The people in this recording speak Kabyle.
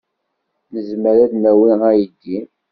Nezmer ad d-nawi aydi?